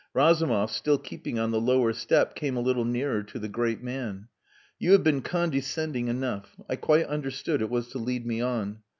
Razumov, still keeping on the lower step, came a little nearer to the great man. "You have been condescending enough. I quite understood it was to lead me on.